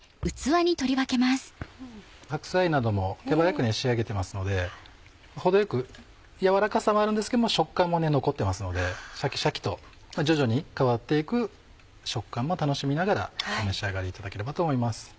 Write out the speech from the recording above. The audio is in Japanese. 白菜なども手早く仕上げてますので程よく軟らかさもあるんですけど食感も残ってますのでシャキシャキと徐々に変わっていく食感も楽しみながらお召し上がりいただければと思います。